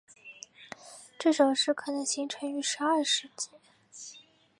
这首诗可能形成于十二世纪。